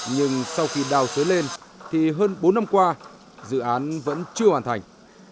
nhưng sau khi đào sới lên thì hơn bốn năm qua dự án vẫn chưa hoàn thành